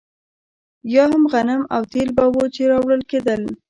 یا هم غنم او تېل به وو چې راوړل کېدل.